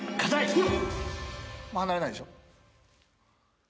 もう離れないでしょ？